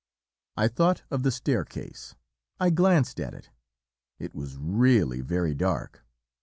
I thought of the staircase, I glanced at it; it was really very dark.